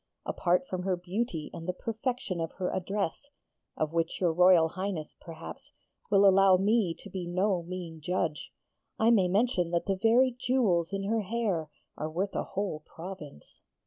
Apart from her beauty and the perfection of her address (of which your Royal Highness, perhaps, will allow me to be no mean judge), I may mention that the very jewels in her hair are worth a whole province.'